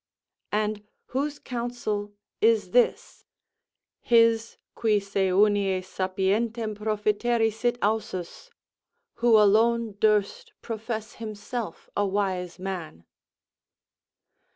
And whose counsel is this? His, qui se unies sapiervtem profiteri sit ausus; "who alone durst profess himself a wise man."